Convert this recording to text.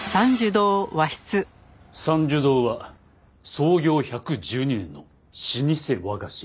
参寿堂は創業１１２年の老舗和菓子屋。